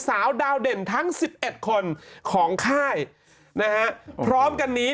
สาวดาวเด่นทั้งสิบเอ็ดคนของค่ายนะฮะพร้อมกันนี้